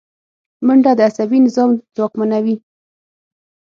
منډه د عصبي نظام ځواکمنوي